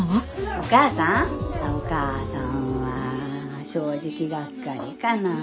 お母さんは正直がっかりかなぁ。